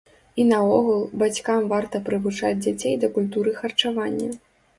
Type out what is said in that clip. І наогул, бацькам варта прывучаць дзяцей да культуры харчавання.